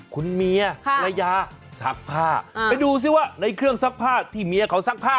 คุณเมียภรรยาซักผ้าไปดูซิว่าในเครื่องซักผ้าที่เมียเขาซักผ้า